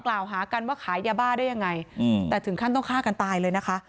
กล่าวหากันว่าขายยาบ้าได้ยังไงแต่ถึงขั้นต้องฆ่ากันตายเลยนะคะ